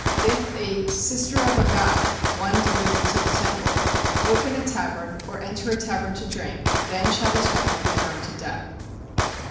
If a "sister of a god" [one devoted to the temple] open a tavern, or enter a tavern to drink, then shall this woman be burned to death.